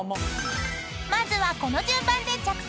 ［まずはこの順番で着席］